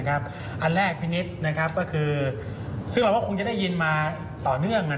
อันแรกพี่นิดก็คือซึ่งเราก็คงจะได้ยินมาต่อเนื่อง